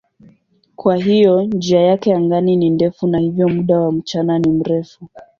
Kwa hiyo njia yake angani ni ndefu na hivyo muda wa mchana ni mrefu.